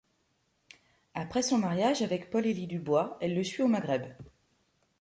Après son mariage avec Paul Élie Dubois, elle le suit au Maghreb.